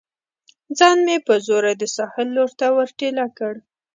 ځان مې په زوره د ساحل لور ته ور ټېله کړ.